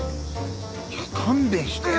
いや勘弁してよ